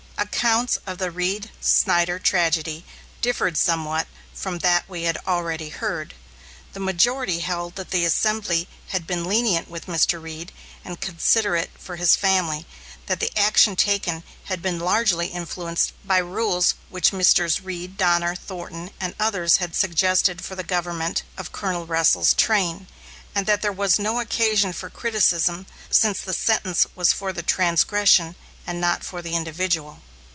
Accounts of the Reed Snyder tragedy differed somewhat from that we had already heard. The majority held that the assembly had been lenient with Mr. Reed and considerate for his family; that the action taken had been largely influenced by rules which Messrs. Reed, Donner, Thornton, and others had suggested for the government of Colonel Russell's train, and that there was no occasion for criticism, since the sentence was for the transgression, and not for the individual.